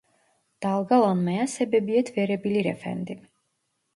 Dalgalanmaya sebebiyet verebilir efendim